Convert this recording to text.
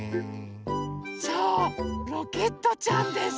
そうロケットちゃんです！